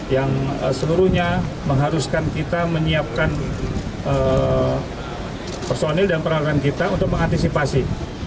yang seluruhnya mengharuskan kita menyiapkan personil dan peralatan kita untuk mengantisipasi